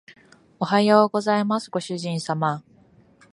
おはようございますご主人様